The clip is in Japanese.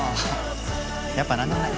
やっぱ何でもない。